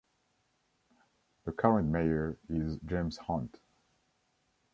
The current mayor is James Hunt.